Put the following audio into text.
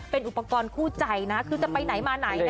เป็นอุปกรณ์คู่ใจนะคือจะไปไหนมาไหน